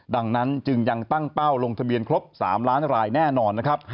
ดังนั้นจึงยังตั้งเป้าลงทะเบียนครบ๓ล้านรายแน่นอนนะครับ